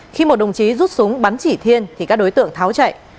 khi một đồng chí rút súng bắn chỉ thiên thì các đối tượng tháo chạy